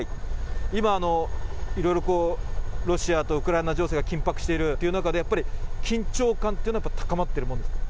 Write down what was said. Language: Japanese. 今、いろいろ、ロシアとウクライナ情勢が緊迫しているという中で、やっぱり緊張感っていうのは高まっているものですか。